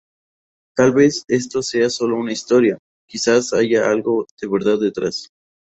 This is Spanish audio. Tal vez esto sea solo una historia; quizás haya algo de verdad detrás.